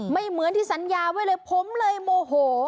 เหมือนที่สัญญาไว้เลยผมเลยโมโห